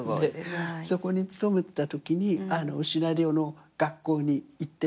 そこに勤めてたときにシナリオの学校に行ってて。